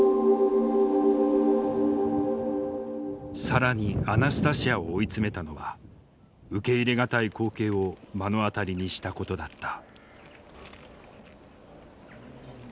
更にアナスタシヤを追い詰めたのは受け入れ難い光景を目の当たりにしたことだった。